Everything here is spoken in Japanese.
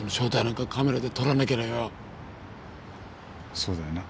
そうだよな。